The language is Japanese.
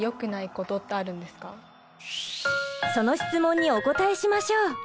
その質問にお答えしましょう。